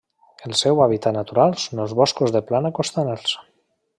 El seu hàbitat natural són els boscos de plana costaners.